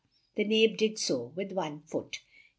The Knave did so, with one foot.